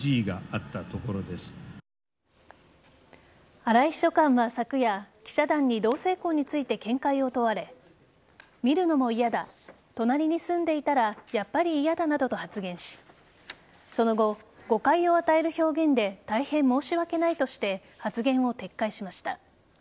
荒井秘書官は昨夜、記者団に同性婚について見解を問われ見るのも嫌だ隣に住んでいたらやっぱり嫌だなどと発言しその後、誤解を与える表現で大変申し訳ないとして発言を撤回しました。